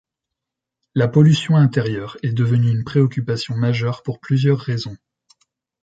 La pollution intérieure est devenue une préoccupation majeure pour plusieurs raisons.